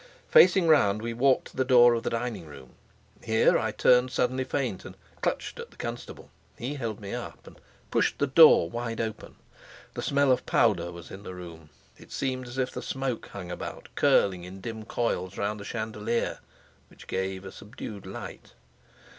Facing round, we walked to the door of the dining room. Here I turned suddenly faint, and clutched at the constable. He held me up, and pushed the door wide open. The smell of powder was in the room; it seemed as if the smoke hung about, curling in dim coils round the chandelier which gave a subdued light.